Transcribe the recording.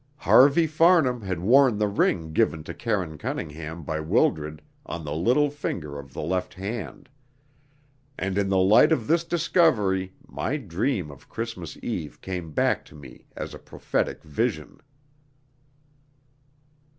Harvey Farnham had worn the ring given to Karine Cunningham by Wildred on the little finger of the left hand; and in the light of this discovery my dream of Christmas Eve came back to me as a prophetic vision.